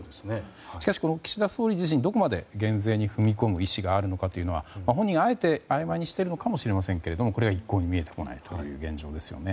しかし、岸田総理自身どこまで減税に踏み込む意思があるのかというのは本人はあえて、あいまいにしているのかもしれませんが一向に見えてこない現状ですね。